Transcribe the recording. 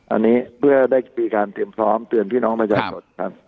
อันนี้เพื่อได้มีการเตรียมพร้อมเตือนพี่น้องประชาชนครับ